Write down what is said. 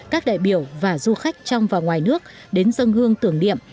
các đại biểu và du khách trong và ngoài nước đến dân hương tưởng niệm